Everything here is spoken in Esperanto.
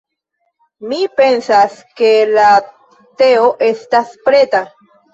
Mi pensas, ke la teo estas preta?